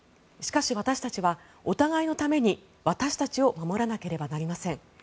しかし、私たちはお互いのために私たちを守らなければなりません